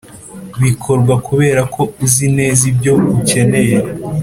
bikorwa kubera ko uzi neza ibyo ukeneye